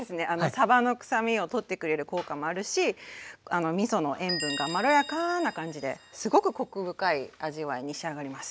さばの臭みをとってくれる効果もあるしみその塩分がまろやかな感じですごくコク深い味わいに仕上がります。